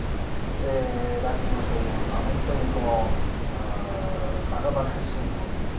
え落語というものは本当にこうばかばかしいもんで。